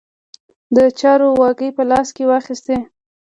د چارو واګې په لاس کې واخیستې.